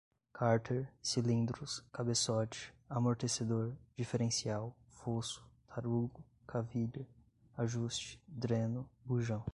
cárter, cilindros, cabeçote, amortecedor, diferencial, fosso, tarugo, cavilha, ajuste, dreno, bujão